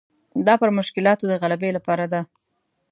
دا پر مشکلاتو د غلبې لپاره ده.